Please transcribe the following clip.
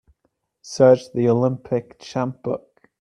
Search The Olympic Champ book.